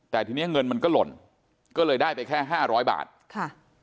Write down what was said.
แต่ทีนี้เงินมันก็หล่นก็เลยได้ไปแค่ห้าร้อยบาทค่ะ